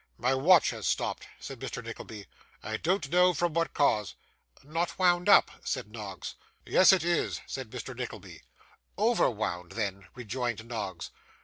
'My watch has stopped,' said Mr. Nickleby; 'I don't know from what cause.' 'Not wound up,' said Noggs. 'Yes it is,' said Mr. Nickleby. 'Over wound then,' rejoined Noggs.